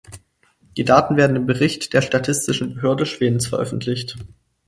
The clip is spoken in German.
Die Daten werden im Bericht der statistischen Behörde Schwedens veröffentlicht.